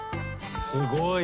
すごい。